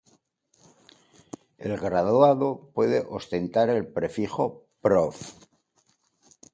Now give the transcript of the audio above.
El graduado puede ostentar el prefijo Prof.